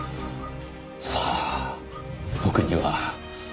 さあ特には。